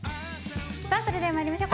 それでは参りましょう。